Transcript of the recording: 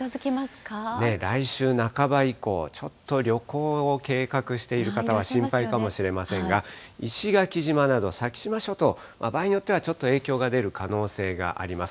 来週半ば以降、ちょっと旅行を計画している方は心配かもしれませんが、石垣島など先島諸島、場合によってはちょっと影響が出る可能性があります。